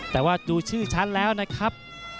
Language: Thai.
แต่ว่าดูชื่อฉันแล้วนะครับ